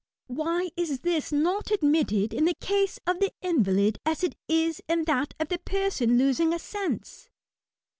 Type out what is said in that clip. Why is this not admitted in the case of the invalid as it is in that of the person losing a sense